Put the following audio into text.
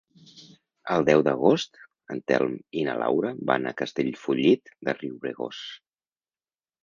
El deu d'agost en Telm i na Laura van a Castellfollit de Riubregós.